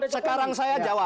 sekarang saya jawab